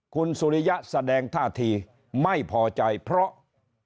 คุณสุริยะแสดงท่าทีไม่พอใจเพราะ